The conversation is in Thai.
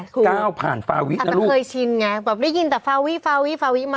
ก้าวผ่านเม